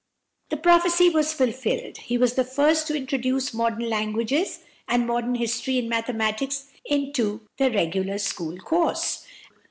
The prophecy was fulfilled. He was the first to introduce modern languages and modern history and mathematics into the regular school course.